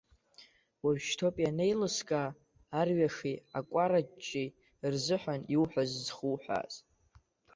Уажәшьҭоуп ианеилыскаа, арҩаши акәараҷҷеи рзыҳәан иуҳәаз зхуҳәааз.